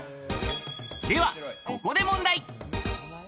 ではここで問題。